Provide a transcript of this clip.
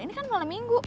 ini kan malam minggu